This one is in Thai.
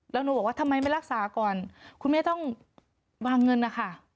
แล้วหนูบอกว่าทำไมไม่รักษาก่อนคุณแม่ต้องวางเงินนะคะ